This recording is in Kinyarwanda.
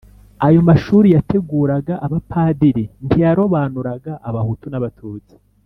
ayo mashuri yateguraga abapadiri ntiyarobanuraga abahutu n'abatutsi;